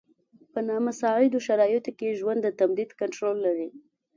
په نامساعدو شرایطو کې د ژوند د تمدید کنټرول لري.